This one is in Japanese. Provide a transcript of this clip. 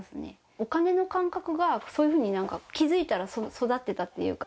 お金の感覚が、そういうふうになんか、気付いたら育ってたっていうか。